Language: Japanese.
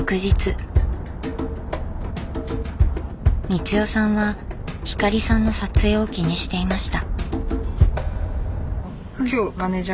光代さんは光さんの撮影を気にしていました。